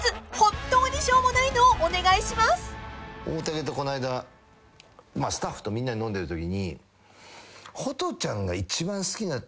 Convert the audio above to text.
大竹とこないだスタッフとみんなで飲んでるときに。